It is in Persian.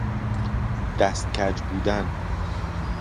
دست کج بودن